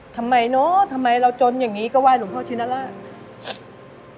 ทำไมเนอะทำไมเราจนอย่างนี้ก็ไห้หลวงพ่อชินราช